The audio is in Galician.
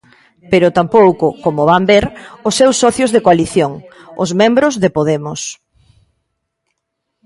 Pero tampouco, como van ver, os seus socios de coalición: os membros de Podemos.